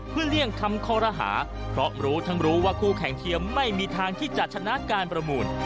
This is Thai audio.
เพื่อเลี่ยงคำคอรหาเพราะรู้ทั้งรู้ว่าคู่แข่งเทียมไม่มีทางที่จะชนะการประมูล